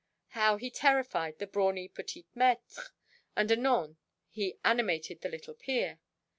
How he terrified the brawny petit maître, and anon he animated the little peer.